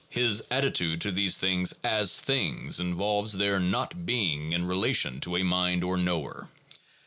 His attitude to these things as things involves their not being in relation to a mind or knower.